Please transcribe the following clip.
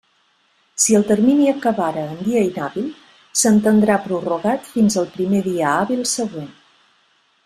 Si el termini acabara en dia inhàbil, s'entendrà prorrogat fins al primer dia hàbil següent.